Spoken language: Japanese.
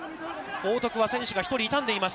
報徳は選手が１人、痛んでいます。